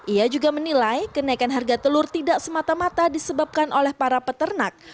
ia juga menilai kenaikan harga telur tidak semata mata disebabkan oleh para peternak